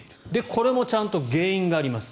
これもちゃんと原因があります。